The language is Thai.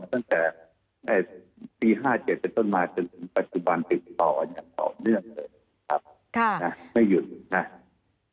ตั้งแต่ตี๕๗จะต้นมาจนถึงปัจจุบันติดต่ออย่างต่อเนื่องเลย